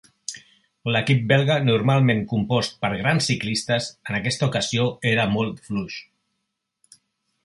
L'equip belga, normalment compost per grans ciclistes, en aquesta ocasió era molt fluix.